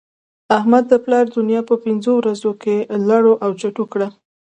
احمد د پلا دونيا په پنځو ورځو کې لړو او چټو کړه.